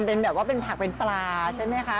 เป็นแบบว่าเป็นผักเป็นปลาใช่ไหมคะ